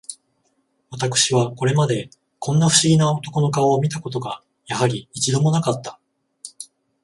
私はこれまで、こんな不思議な男の顔を見た事が、やはり、一度も無かった